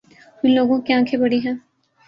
اِن لوگوں کی آنکھیں بڑی ہیں